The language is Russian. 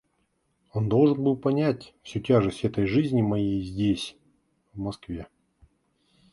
Он бы должен был понять всю тяжесть этой жизни моей здесь, в Москве.